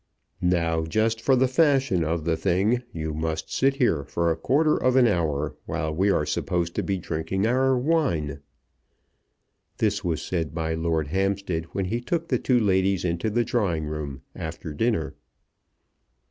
"Now just for the fashion of the thing you must sit here for a quarter of an hour, while we are supposed to be drinking our wine." This was said by Lord Hampstead when he took the two ladies into the drawing room after dinner.